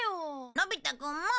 のび太くんも！